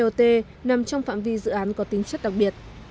bot nằm trong phạm vi dự án có tính chất đặc biệt